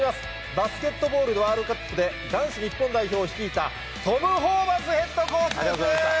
バスケットボールワールドカップで男子日本代表を率いた、トム・ホーバスヘッドコーチです。